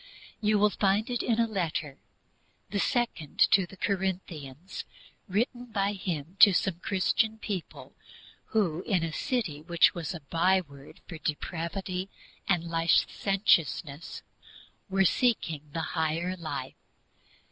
You will find it in a letter the second to the Corinthians written by him to some Christian people who, in a city which was a byword for depravity and licentiousness, were seeking the higher life.